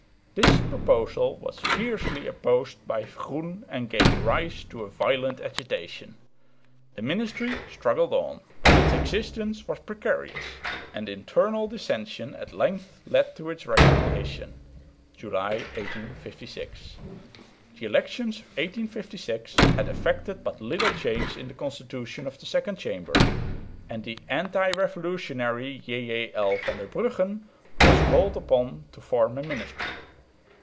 This proposal was fiercely opposed by Groen and gave rise to a violent agitation. The ministry struggled on, but its existence was precarious and internal dissensions at length led to its resignation (July, 1856). The elections of 1856 had effected but little change in the constitution of the Second Chamber, and the anti revolutionary J.J.L. van der Brugghen was called upon to form a ministry.